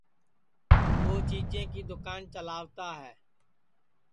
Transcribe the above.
ٻوچیجیں کی دوکان چلاوتا ہے